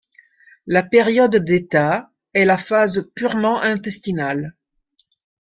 La période d'état est la phase purement intestinale.